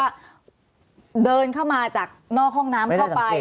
เดินเข้ามาจากนอกห้องน้ำเข้าไป